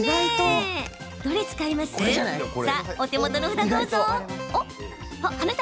さあ、お手元の札をどうぞ。